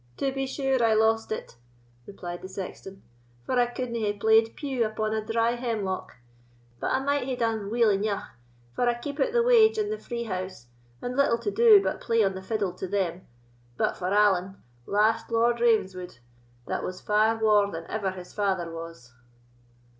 to be sure I lost it," replied the sexton, "for I couldna hae played pew upon a dry hemlock; but I might hae dune weel eneugh, for I keepit the wage and the free house, and little to do but play on the fiddle to them, but for Allan, last Lord Ravenswood, that was far waur than ever his father was."